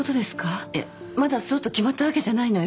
まだそうと決まったわけじゃないのよ。